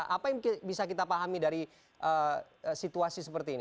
apa yang bisa kita pahami dari situasi seperti ini